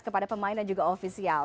kepada pemain dan juga ofisial